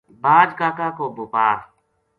باج کاکا کو بوپار